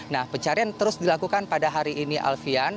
nah pencarian terus dilakukan pada hari ini alfian